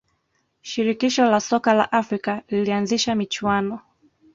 shirikisho la soka la afrika lilianzisha michuano